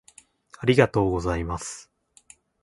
「ありがとうございます」